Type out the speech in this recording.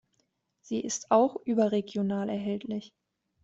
Sie ist auch überregional erhältlich.